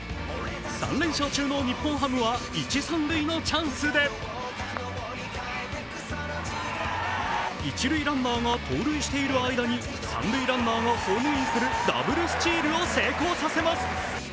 ３連勝中の日本ハムは一・三塁のチャンスで一塁ランナーが盗塁している間に、三塁ランナーがホームインするダブルスチールを成功させます。